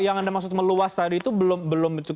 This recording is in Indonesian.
yang anda maksud meluas tadi itu belum cukup